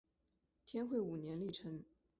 天会五年历成。